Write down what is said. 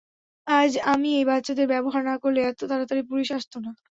আজ, আমি এই বাচ্চাদের ব্যবহার না করলে, এত তাড়াতাড়ি পুলিশ আসতো না।